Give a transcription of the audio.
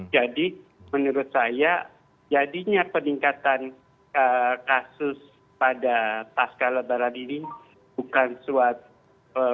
jadi menurut saya jadinya peningkatan kasus pada pasca lebaran ini bukan suatu